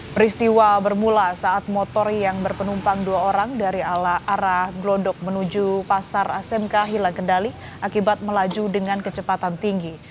peristiwa bermula saat motor yang berpenumpang dua orang dari arah glodok menuju pasar asmk hilang kendali akibat melaju dengan kecepatan tinggi